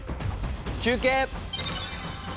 休憩！